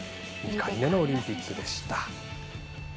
２回目のオリンピックでした。